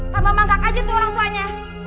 tambah mangkak aja tuh orangtuanya